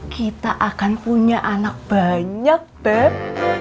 kita akan punya anak banyak bep